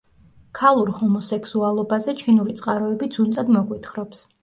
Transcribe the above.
ქალურ ჰომოსექსუალობაზე ჩინური წყაროები ძუნწად მოგვითხრობს.